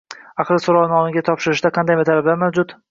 Arxivga so‘rovnomani topshirishda qanday talablar mavjud?